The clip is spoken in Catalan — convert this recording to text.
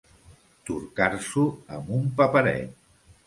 Torcar-s'ho amb un paperet.